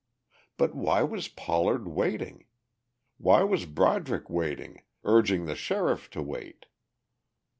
But why was Pollard waiting? Why was Broderick waiting, urging the sheriff to wait?